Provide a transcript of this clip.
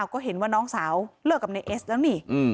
ก็เห็นว่าน้องสาวเลิกกับนายเอสแล้วนี่